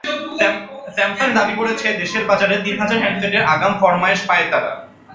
Samsung দাবি করেছে, দেশের বাজারে তিন হাজার হ্যান্ডসেটের আগাম ফরমায়েশ পায় তারা।